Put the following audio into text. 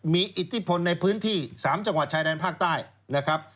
มีอิทธิพลในพื้นที่๓จังหวัดชายแดนภาคใต้นะครับ